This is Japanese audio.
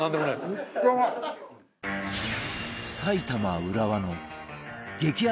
埼玉浦和の激安